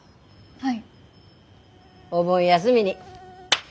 はい。